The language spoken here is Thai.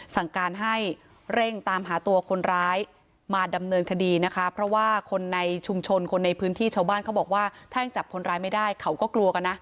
สั่งการให้เร่งตามหาตัวคนร้ายมาดำเนินคดีนะคะเพราะว่าคนในชุมชนคนในพื้นที่ชาวบ้านเขาบอกว่าแท่งจับคนร้ายไม่ได้เขาก็กลัวกันนะ